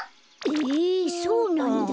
ええそうなんだ。